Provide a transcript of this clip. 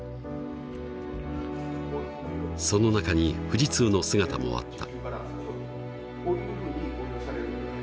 その中に富士通の姿もあった。